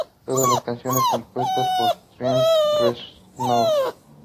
Todas las canciones compuestas por Trent Reznor.